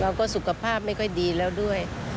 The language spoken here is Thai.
แล้วก็สุขภาพไม่ค่อยดีแล้วด้วย